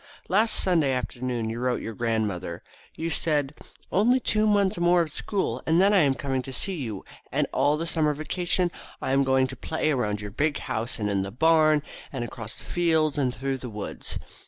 Last Sunday afternoon you wrote your grandmother. You said, "Only two months more of school and then I am coming to see you, and all the summer vacation I am going to play around your big house, and in the barn, and across the fields, and through the woods."